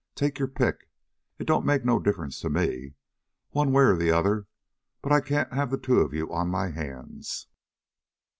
Take your pick. It don't make no difference to me, one way or the other; but I can't have the two of you on my hands."